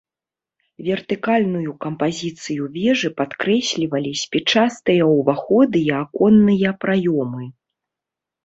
Вертыкальную кампазіцыю вежы падкрэслівалі спічастыя ўваходы і аконныя праёмы.